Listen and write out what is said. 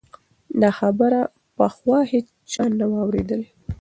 دا خبره پخوا هیچا نه وه اورېدلې.